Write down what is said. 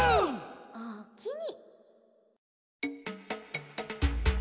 「おおきに」